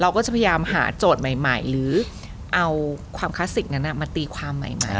ก็จะพยายามหาโจทย์ใหม่หรือเอาความคลาสสิกนั้นมาตีความใหม่